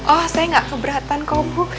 oh saya gak keberatan kok bu